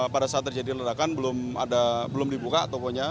pada saat terjadi ledakan belum dibuka tokonya